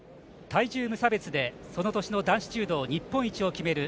体重無差別でその年の男子柔道日本一を決める